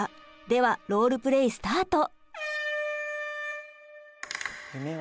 ではロールプレイスタート！